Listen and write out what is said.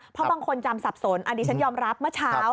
เพราะบางคนจำสับสนอันนี้ฉันยอมรับเมื่อเช้า